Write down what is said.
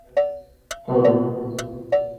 যদি উনি লিখতে না পারেন, তাইলে আঙুলের ছাপও দিতে পারবেন।